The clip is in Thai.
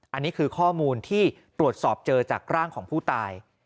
อันนี้คือข้อมูลที่ตรวจสอบเจอจากร่างของผู้ตาย